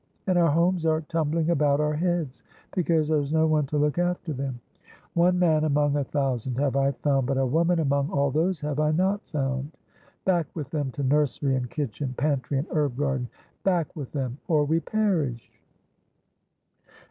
And our homes are tumbling about our heads, because there's no one to look after them. 'One man among a thousand have I found, but a woman among all those have I not found.' Back with them to nursery and kitchen, pantry and herb garden! Back with them, or we perish."